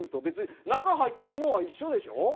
別に中入ってるもんは一緒でしょ？